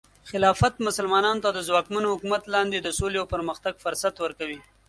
خلافت مسلمانانو ته د ځواکمن حکومت لاندې د سولې او پرمختګ فرصت ورکوي.